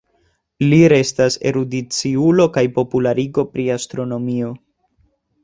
Li restas erudiciulo kaj popularigo pri astronomio.